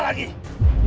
pernah nilai ya